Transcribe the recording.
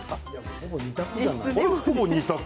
ほぼ２択じゃない？